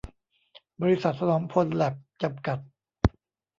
บริษัท ถนอมพลแลบ จำกัด